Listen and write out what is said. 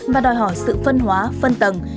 và đòi hỏi sự phân hóa